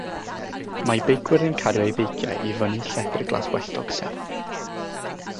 Mae beicwyr yn cario'u beiciau i fyny llethr glaswelltog serth.